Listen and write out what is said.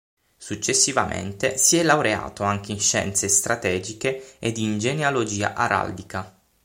Successivamente si è laureato anche in scienze strategiche ed in genealogia araldica.